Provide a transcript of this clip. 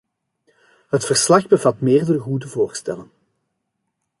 Het verslag bevat meerdere goede voorstellen.